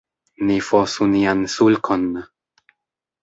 Ni fosu nian sulkon.